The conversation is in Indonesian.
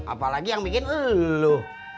apalagi yang bikin elu